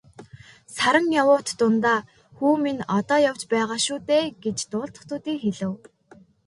Саран явуут дундаа "Хүү минь одоо явж байгаа шүү дээ" гэж дуулдах төдий хэлэв.